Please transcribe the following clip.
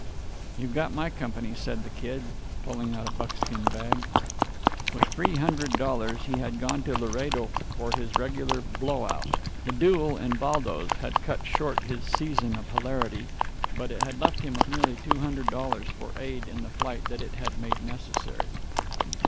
"You've got my company," said the Kid, pulling out a buckskin bag. With three hundred dollars he had gone to Laredo for his regular "blowout." The duel in Valdos's had cut short his season of hilarity, but it had left him with nearly $200 for aid in the flight that it had made necessary.